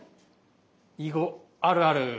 「囲碁あるある」。